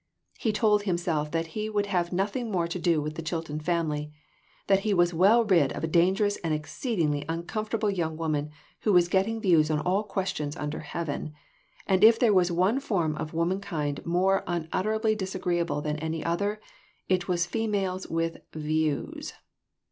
He told himself that he would have nothing more to do with the Chilton family ; that he was well rid of a dangerous and exceedingly uncomfortable young woman who was getting views on all questions under heaven ; and if there was one form of womankind more unut terably disagreeable than any other, it was females with "views!"